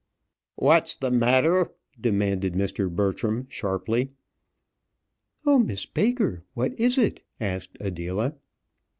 "What's the matter?" demanded Mr. Bertram sharply. "Oh, Miss Baker! what is it?" asked Adela.